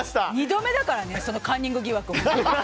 ２度目だからねカンニング疑惑。